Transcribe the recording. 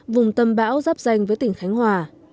vùng tâm bão dắp danh với tỉnh khánh hòa